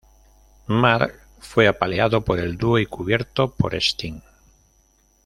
Mark fue apaleado por el dúo y cubierto por Steen.